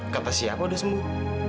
kata siapa udah sembuh